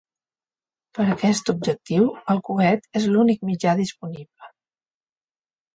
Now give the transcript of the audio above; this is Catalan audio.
Per aquest objectiu, el coet és l'únic mitjà disponible.